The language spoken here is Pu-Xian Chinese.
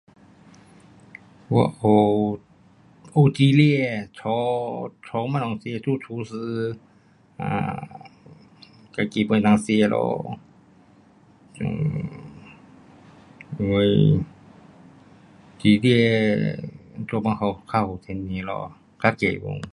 我学，学煮吃，炒，炒东西吃，做厨师 um 自己 pun 能够吃咯，um 因为煮吃，怎么讲较好赚吃咯。较多